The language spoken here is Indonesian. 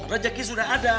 rezeki sudah ada